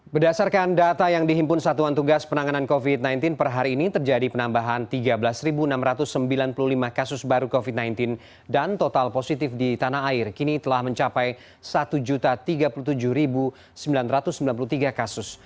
berdasarkan data yang dihimpun satuan tugas penanganan covid sembilan belas per hari ini terjadi penambahan tiga belas enam ratus sembilan puluh lima kasus baru covid sembilan belas dan total positif di tanah air kini telah mencapai satu tiga puluh tujuh sembilan ratus sembilan puluh tiga kasus